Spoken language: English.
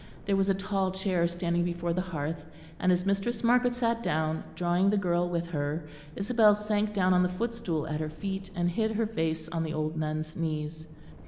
There was a tall chair standing before the hearth, and as Mistress Margaret sat down, drawing the girl with her, Isabel sank down on the footstool at her feet, and hid her face on the old nun's knees.